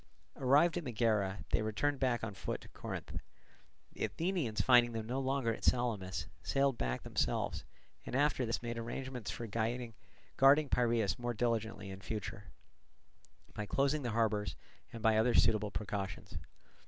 Arrived at Megara, they returned back on foot to Corinth. The Athenians finding them no longer at Salamis, sailed back themselves; and after this made arrangements for guarding Piraeus more diligently in future, by closing the harbours, and by other suitable precautions.